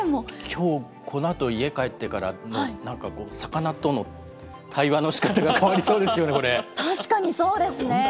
きょうこのあと、家帰ってから、もうなんかこう、魚との対話のしかたが変わりそうですよね、確かにそうですね。